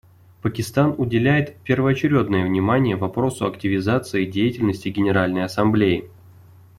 Пакистан уделяет первоочередное внимание вопросу активизации деятельности Генеральной Ассамблеи.